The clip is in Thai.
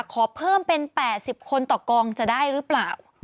ขอเพิ่มเป็น๘๐คนต่อกองจะได้หรือเปล่า